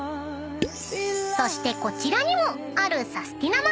［そしてこちらにも］